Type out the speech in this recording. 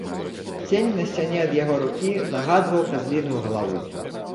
Цень на сцяне ад яго рукі нагадваў казліную галаву.